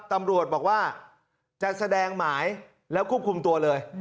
ตำรวจบอกว่าจะแสดงหมายแล้วควบคุมตัวเลย